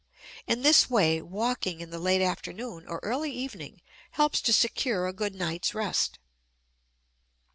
In this way walking in the late afternoon or early evening helps to secure a good night's rest.